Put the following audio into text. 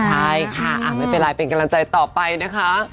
ใช่ค่ะไม่เป็นไรเป็นกำลังใจต่อไปนะคะ